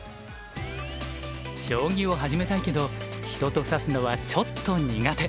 将棋を始めたいけど人と指すのはちょっと苦手。